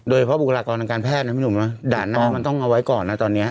โดยเพราะบุคลากรทางการแพทย์นะพี่หนุ่มนะด่านหน้ามันต้องเอาไว้ก่อนนะตอนนี้